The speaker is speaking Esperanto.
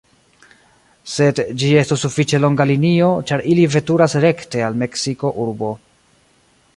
Sed ĝi estos sufiĉe longa linio, ĉar ili veturas rekte al Meksiko-urbo.